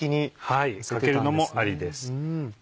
はいかけるのもありです。